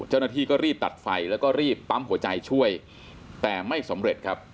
เจ้าหน้าที่ก็รีบตัดไฟแล้วก็รีบปั๊มหัวใจช่วยแต่ไม่สำเร็จครับ